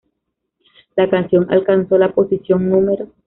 La canción alcanzó la posición Nro.